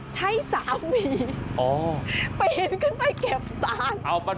ใช่สามีปีนขึ้นไปเก็บตาน